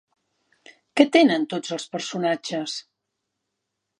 Què tenen tots els personatges?